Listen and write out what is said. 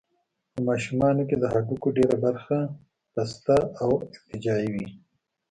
په ماشومانو کې د هډوکو ډېره برخه پسته او ارتجاعي وي.